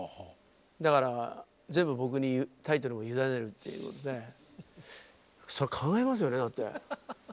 だから全部僕にタイトルを委ねるっていうことでそれ考えますよねだって。